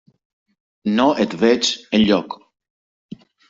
No et veig enlloc.